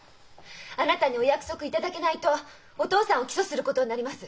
あなたにお約束いただけないとお父さんを起訴することになります。